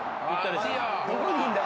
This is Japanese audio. どこにいんだ？